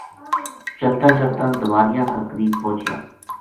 چلتاں چلتاں دواریاں کا قریب پہچیا